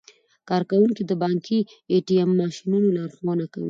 کارکوونکي د بانکي ای ټي ایم ماشینونو لارښوونه کوي.